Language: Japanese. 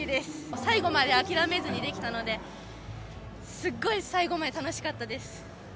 最後まで諦めずにできたので、すごい最後まで楽しかったです。